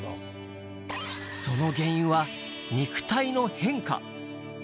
その原因は、肉体の変化。